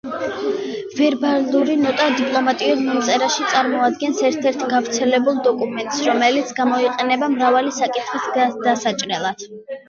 ვერბალური ნოტა დიპლომატიურ მიმოწერაში წარმოადგენს ერთ-ერთ გავრცელებულ დოკუმენტს, რომელიც გამოიყენება მრავალი საკითხის გადასაჭრელად.